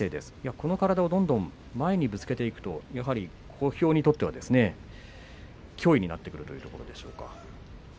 この体をどんどんぶつけていくとやはり小兵にとっては脅威になってくるところでしょうか。